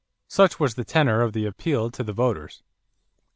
Such was the tenor of their appeal to the voters.